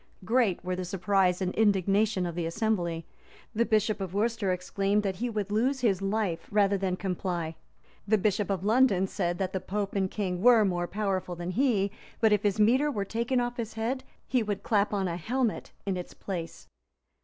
Great were the surprise and indignation of the assembly: the bishop of Worcester exclaimed, that he would lose his life rather than comply: the bishop of London said, that the pope and king were more powerful than he; but if his mitre were taken off his head, he would clap on a helmet in its place.